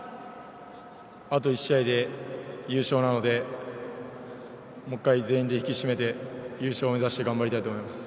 あと１試合で優勝なので、もう一回全員で引き締めて、優勝を目指して頑張りたいと思います。